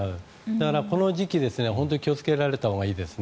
だから、この時期本当に気をつけられたほうがいいです。